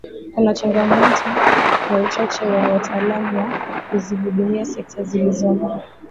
Kuna changaoto ya uchache wa wataalamu wa kuzihudumia sekta zilizomo